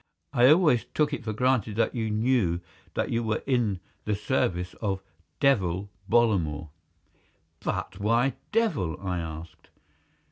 I always took it for granted that you knew that you were in the service of 'Devil' Bollamore." "But why 'Devil'?" I asked.